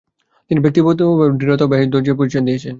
তিনি ব্যক্তিগতভাবে দৃঢ়তা ও বেশ ধৈর্য্যের পরিচয় দিয়েছেন।